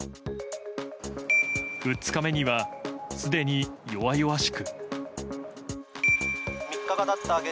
２日目には、すでに弱々しく。